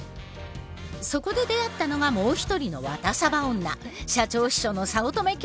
そこで出会ったのがもう一人のワタサバ女社長秘書の早乙女京子。